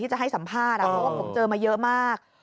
จะให้สัมภาษณ์เพราะว่าผมเจอมาเยอะมาก